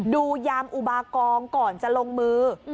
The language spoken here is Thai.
ยามอุบากองก่อนจะลงมือ